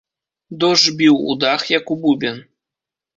Дождж біў у дах, як у бубен.